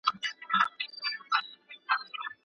و دربار ته یې حاضر کئ بېله ځنډه